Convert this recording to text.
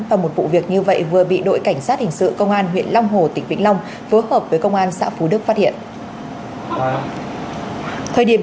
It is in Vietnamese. và một vụ việc như vậy vừa bị đội cảnh sát hình sự công an huyện long hồ tỉnh vĩnh long phối hợp với công an xã phú đức phát hiện